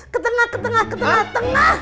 ketengah ketengah ketengah